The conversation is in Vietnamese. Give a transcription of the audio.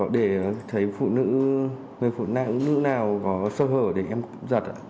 để thấy phụ nữ người phụ nữ nào có sơ hở để em cướp giật